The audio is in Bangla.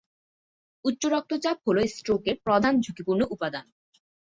উচ্চ রক্তচাপ হলো স্ট্রোকের প্রধান ঝুঁকিপূর্ণ উপাদান।